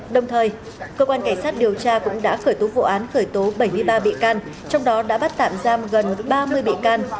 đồng thời cơ quan cảnh sát điều tra cũng đã khởi tố vụ án khởi tố bảy mươi ba bị can trong đó đã bắt tạm giam gần ba mươi bị can